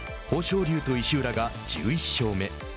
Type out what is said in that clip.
豊昇龍と石浦が１１勝目。